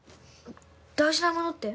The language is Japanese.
大事なものって？